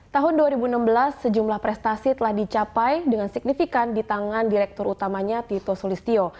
tahun dua ribu enam belas sejumlah prestasi telah dicapai dengan signifikan di tangan direktur utamanya tito sulistyo